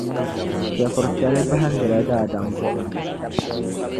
Chεfuritali bahindila daadam buɣim ni.